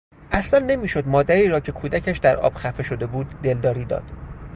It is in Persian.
اصلا نمیشد مادری را که کودکش در آب خفه شده بود دلداری داد.